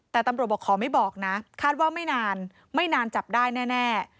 แต่ตำรวจบอกขอไม่บอกนะคาดว่าไม่นานไม่นานจับได้แน่